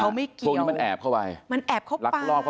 พวกนี้มันแอบเข้าไปลักรอบเข้าไปจนได้